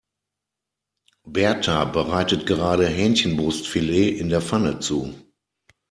Berta bereitet gerade Hähnchenbrustfilet in der Pfanne zu.